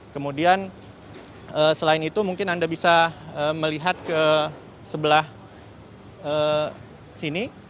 kemudian selain itu mungkin anda bisa melihat ke sebelah sini